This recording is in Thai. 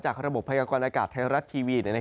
ระบบพยากรณากาศไทยรัฐทีวี